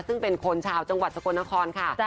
ซึ่งเป็นคนชาวจังหวัดสกลนครค่ะ